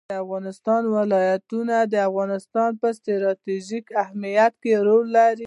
د افغانستان ولايتونه د افغانستان په ستراتیژیک اهمیت کې رول لري.